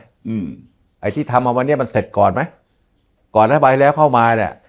อะไรที่ทำมาวันเนี่ยมันเสร็จก่อนไหมก่อนนะถ้าไปแล้วเข้ามาอ่ะเนี่ย